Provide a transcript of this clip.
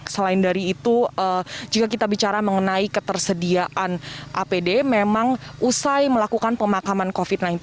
selain dari itu jika kita bicara mengenai ketersediaan apd memang usai melakukan pemakaman covid sembilan belas